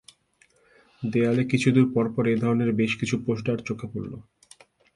দেয়ালে কিছুদূর পরপর এ ধরনের বেশ কিছু পোস্টার চোখে পড়ল।